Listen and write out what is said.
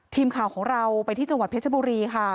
ทีมข่าวของเราไปที่จังหวัดเพชรบุรีค่ะ